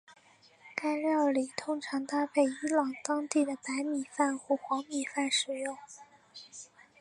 该料理通常搭配伊朗当地的白米饭或黄米饭食用。